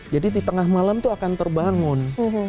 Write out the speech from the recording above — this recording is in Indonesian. jadi di tengah malam tuh akan terbangun